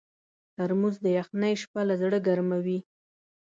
ترموز د یخنۍ شپه له زړه ګرمووي.